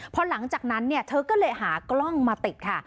พอหลังจากนั้นเนี่ยเธอก็เลยหากล้องมาติดค่ะ